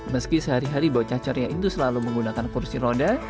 meski sehari hari bahwa cacarnya itu selalu menggunakan kursi roda